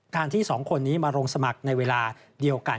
ที่สองคนนี้มาลงสมัครในเวลาเดียวกัน